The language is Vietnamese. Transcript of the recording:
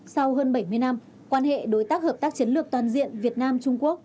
sau hơn bảy mươi năm quan hệ đối tác hợp tác chiến lược toàn diện việt nam trung quốc